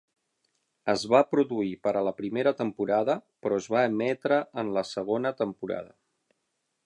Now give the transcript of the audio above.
Es va produir per a la primera temporada, però es va emetre en la segona temporada.